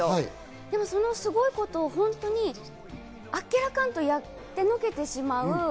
でもそのすごいことを本当にあっけらかんとやってのけてしまう。